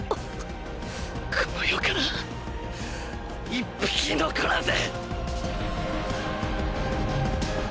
この世から一匹残らず！